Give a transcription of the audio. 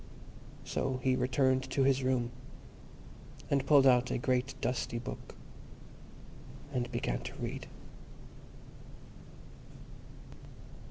So he returned to his room and pulled out a great dusty book, and began to read.